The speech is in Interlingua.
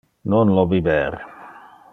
Non lo biber!